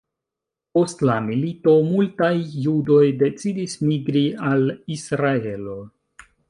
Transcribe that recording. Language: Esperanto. Post la milito, multaj judoj decidis migri al Israelo.